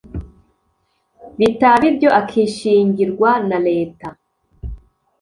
bitaba ibyo akishingirwa na leta.